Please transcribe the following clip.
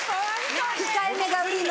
控えめが売りの。